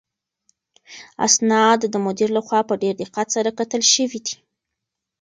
اسناد د مدیر لخوا په ډېر دقت سره کتل شوي دي.